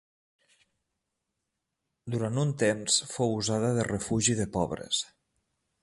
Durant un temps fou usada de refugi de pobres.